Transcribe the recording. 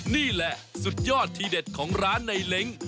นี่แหละสุดยอดทีเด็ดของร้านในเล้ง